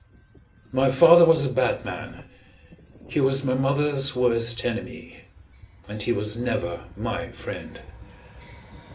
My father was a bad man. He was my mother's worst enemy; and he was never my friend.